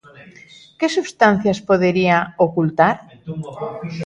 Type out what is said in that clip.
Que substancias podería ocultar?